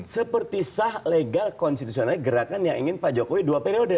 seperti sah legal konstitusionalnya gerakan yang ingin pak jokowi dua periode